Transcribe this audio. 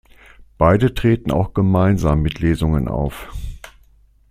Beide treten auch gemeinsam mit Lesungen auf.